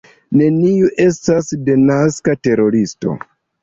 Neniu estas denaska teroristo.